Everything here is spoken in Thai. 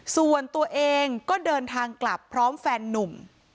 ส่วนตัวเองก็เดินทางกลับพร้อมแฟนนุ่ม